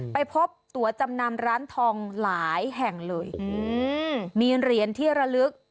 ไปพบตัวจำนำร้านทองหลายแห่งเลยมีเหรียญที่ระลึก